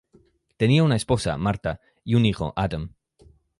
Tenía una esposa, Marta y un hijo, Adam.